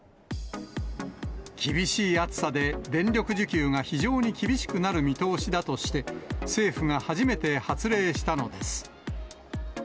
厳しい暑さで電力需給が非常に厳しくなる見通しだとして、政府が初めて発令したのです。